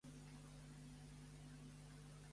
Però amb el nom i la bandera, eh?, davant!